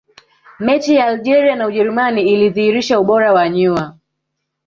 mechi ya algeria na ujerumani ilidhihirisha ubora wa neuer